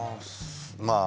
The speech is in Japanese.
まあ